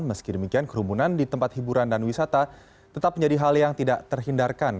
meski demikian kerumunan di tempat hiburan dan wisata tetap menjadi hal yang tidak terhindarkan